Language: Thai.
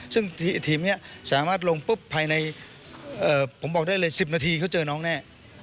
ซึ่งทีมนี้สามารถลงปุ๊บภายในผมบอกได้เลย๑๐นาทีเขาเจอน้องแน่